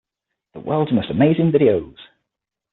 The World's Most Amazing Videos!